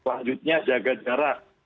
selanjutnya jaga jarak